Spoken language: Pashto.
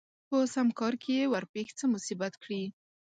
په سم کار کې يې ورپېښ څه مصيبت کړي